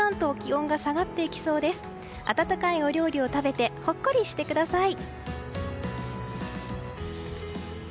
温かいお料理を食べてほっこりしてください。